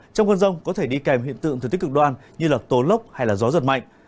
trong cơn rông có thể đi kèm hiện tượng thực tích cực đoan như tố lốc hay gió giật mạnh